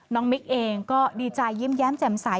มิ๊กเองก็ดีใจยิ้มแย้มแจ่มใส